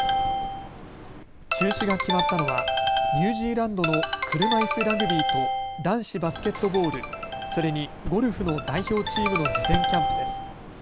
中止が決まったのはニュージーランドの車いすラグビーと男子バスケットボール、それに、ゴルフの代表チームの事前キャンプです。